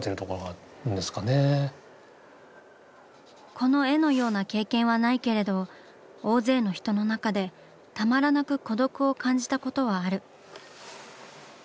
この絵のような経験はないけれど大勢の人の中でたまらなく「孤独」を感じたことはある。